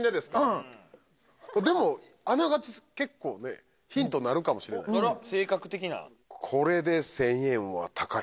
うんでもあながち結構ねヒントになるかもしれないえーっ？